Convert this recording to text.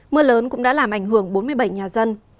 mưa lớn cũng đã làm ảnh hưởng bốn mươi bảy nhà dân